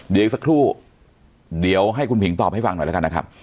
เดี๋ยวอีกสักครู่เดี๋ยวให้คุณผิงตอบให้ฟังหน่อยแล้วกันนะครับ